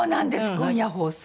今夜放送。